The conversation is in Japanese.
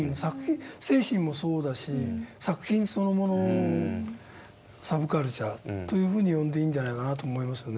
精神もそうだし作品そのものをサブカルチャーというふうに呼んでいいんじゃないかなと思いますね。